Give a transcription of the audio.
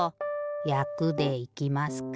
やくでいきますか。